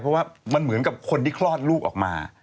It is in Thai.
เพราะว่ามันเหมือนกับคนที่คลอดลูกออกมา